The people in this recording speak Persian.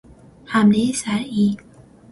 حملهی صرعی